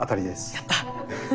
やった！